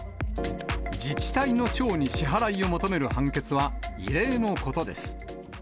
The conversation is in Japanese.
自治体の長に支払いを求める判決は異例のことです。